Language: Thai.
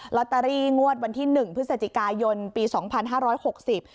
ลอตเตอรี่งวดวันที่หนึ่งพฤศจิกายนปีสองพันห้าร้อยหกสิบ